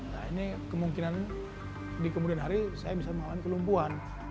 nah ini kemungkinan di kemudian hari saya bisa melawan kelumpuhan